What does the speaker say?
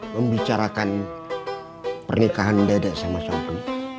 membicarakan pernikahan dedek sama santri